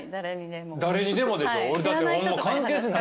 誰にでもでしょ俺。